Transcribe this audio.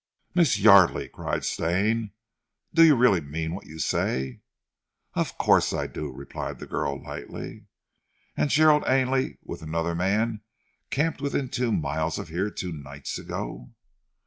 "Miss Yardely," cried Stane, "do you really mean what you say?" "Of course I do," replied the girl lightly. "And Gerald Ainley with another man camped within two miles of here two nights ago?"